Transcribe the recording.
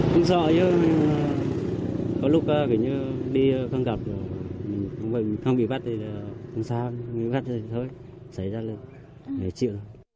không sợ chứ có lúc đi không gặp không bị bắt thì không sao không bị bắt thì thôi xảy ra luôn để chịu